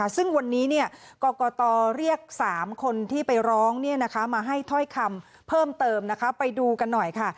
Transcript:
ซึ่งวันนี้กรกตเรียก๓คนที่ไปร้องมาให้ถ้อยคำเพิ่มเติมไปดูกันหน่อยค่ะ